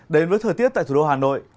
đến với thời tiết tại thủ đô hà nội